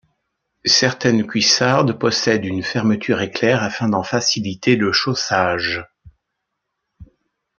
Certaines cuissardes possèdent une fermeture éclair afin d'en faciliter le chaussage.